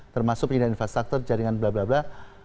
termasuk penyelidikan infrastruktur jaringan blablabla